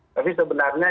pak kiai holil nafis